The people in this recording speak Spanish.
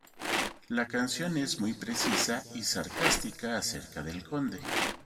La canción es muy precisa y sarcástica acerca del Conde.